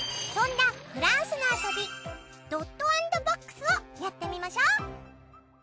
そんなフランスの遊びドット＆ボックスをやってみましょう！